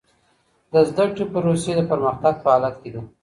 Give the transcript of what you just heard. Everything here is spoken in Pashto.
د زده کړي پروسې د پرمختګ په حالت کې دي.